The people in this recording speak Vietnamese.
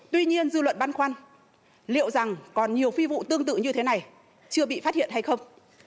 tuy nhiên dư luận băn khoăn liệu rằng còn nhiều phi vụ tương tự như thế này chưa bị phát hiện hay không